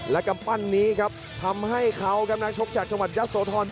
และกำปั้นนี้ครับทำให้เขาครับนักชกจากจังหวัดยะโสธร